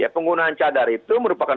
penggunaan cadar itu merupakan